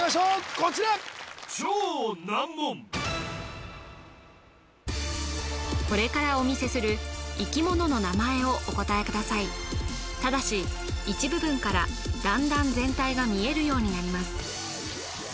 こちらこれからお見せする生き物の名前をお答えくださいただし一部分から段々全体が見えるようになります